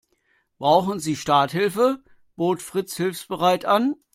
Brauchen Sie Starthilfe?, bot Fritz hilfsbereit an.